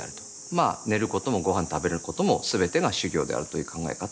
まあ寝ることもごはん食べることもすべてが修行であるという考え方をします。